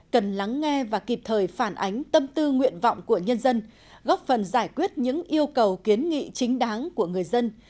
cần lắng nghe và kịp thời phản ánh tâm tư nguyện vọng của nhân dân góp phần giải quyết những yêu cầu kiến nghị chính đáng của người dân